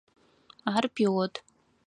Ар пилот.